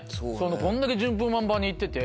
こんだけ順風満帆にいってて。